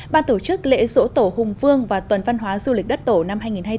ba tổ chức lễ rỗ tổ hùng phương và tuần văn hóa du lịch đất tổ năm hai nghìn hai mươi bốn